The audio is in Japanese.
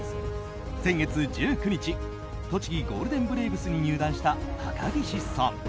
先月１９日栃木ゴールデンブレーブスに入団した高岸さん。